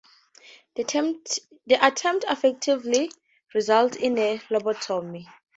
The attempt effectively resulted in a lobotomy.